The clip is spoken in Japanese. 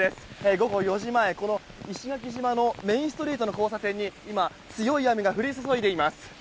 午後４時前、石垣島のメインストリートの交差点に今、強い雨が降り注いでいます。